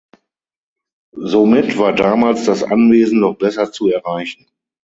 Somit war damals das Anwesen noch besser zu erreichen.